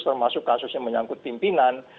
termasuk kasus yang menyangkut pimpinan